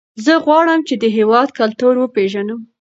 زه غواړم چې د هېواد کلتور وپېژنم.